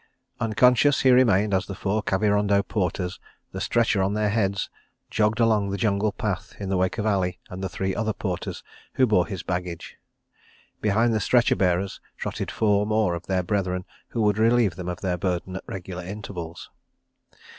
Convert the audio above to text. Unconscious he remained as the four Kavirondo porters, the stretcher on their heads, jogged along the jungle path in the wake of Ali and the three other porters who bore his baggage. Behind the stretcher bearers trotted four more of their brethren who would relieve them of their burden at regular intervals.